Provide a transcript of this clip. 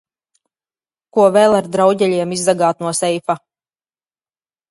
Ko vēl ar drauģeļiem izzagāt no seifa?